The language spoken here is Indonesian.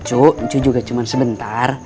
cucu juga cuma sebentar